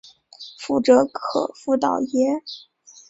覆辙可复蹈耶？